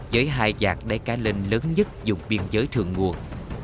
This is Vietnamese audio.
với hai giạc đáy cá linh lớn nhất dùng biên giới thượng nguồn